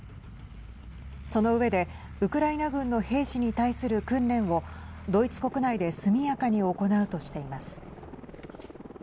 その上で、ウクライナ軍の兵士に対する訓練をドイツ国内で速やかに行うとしています。